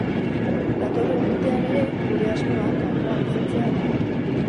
Datorren urtean ere gure asmoa kanpoan jotzea da.